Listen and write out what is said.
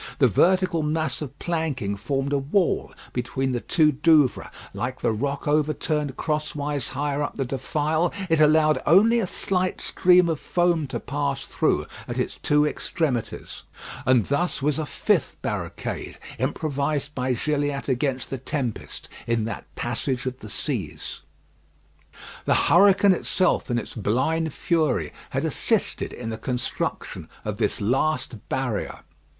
The vertical mass of planking formed a wall between the two Douvres; like the rock overturned crosswise higher up the defile, it allowed only a slight stream of foam to pass through at its two extremities, and thus was a fifth barricade improvised by Gilliatt against the tempest in that passage of the seas. The hurricane itself, in its blind fury, had assisted in the construction of this last barrier.